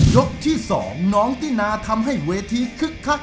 ยกที่๒น้องตินาทำให้เวทีคึกคัก